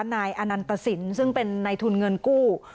นายอนันตสินซึ่งเป็นในทุนเงินกู้